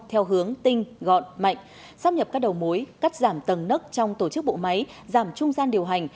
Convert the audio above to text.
theo hướng tinh gọn mạnh sắp nhập các đầu mối cắt giảm tầng nấc trong tổ chức bộ máy giảm trung gian điều hành